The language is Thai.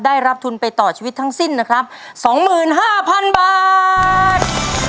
ได้รับทุนไปต่อชีวิตทั้งสิ้นนะครับ๒๕๐๐๐บาท